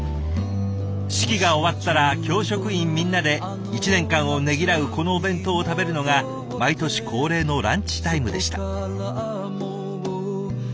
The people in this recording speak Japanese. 式が終わったら教職員みんなで１年間をねぎらうこのお弁当を食べるのが毎年恒例のランチタイムでした。